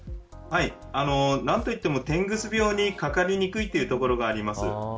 何と言っても、てんぐ巣病にかかりにくいというところがあります。